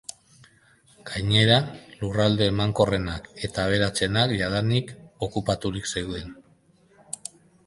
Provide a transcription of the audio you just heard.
Gainera, lurralde emankorrenak eta aberatsenak jadanik okupaturik zeuden.